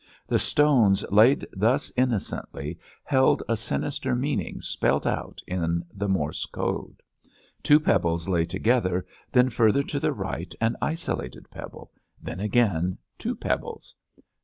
The stones laid thus innocently held a sinister meaning spelt out in the Morse code. Two pebbles lay together, then further to the right an isolated pebble, then again two pebbles.